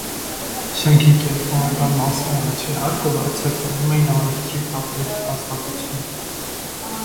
Շենքի կենտրոնական մասի առաջին հարկը վարձակալում էին առևտրի տարբեր հաստատություններ։